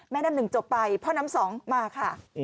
น้ำหนึ่งจบไปพ่อน้ำสองมาค่ะ